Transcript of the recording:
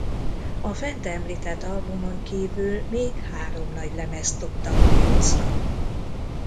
A fent említett albumon kívül még három nagylemezt dobtak piacra.